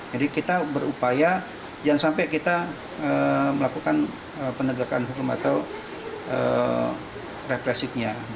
jadi kita berupaya jangan sampai kita melakukan penegakan hukum atau represifnya